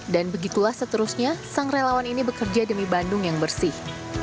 dan begitulah seterusnya sang relawan ini bekerja demi bandung yang bersih